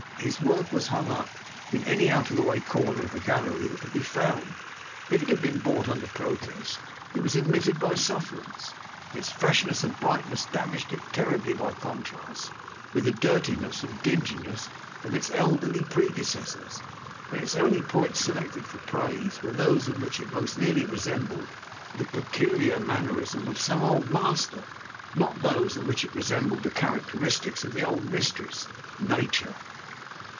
His work was hung up in any out of the way corner of the gallery that could be found; it had been bought under protest; it was admitted by sufferance; its freshness and brightness damaged it terribly by contrast with the dirtiness and the dinginess of its elderly predecessors; and its only points selected for praise were those in which it most nearly resembled the peculiar mannerism of some Old Master, not those in which it resembled the characteristics of the old mistress Nature.